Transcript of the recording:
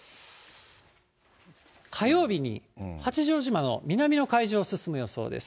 火曜日に八丈島の南の海上を進む予想です。